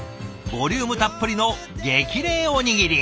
ボリュームたっぷりの激励おにぎり。